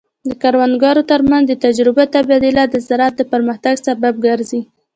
د کروندګرو ترمنځ د تجربو تبادله د زراعت د پرمختګ سبب ګرځي.